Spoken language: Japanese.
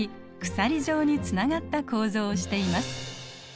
鎖状につながった構造をしています。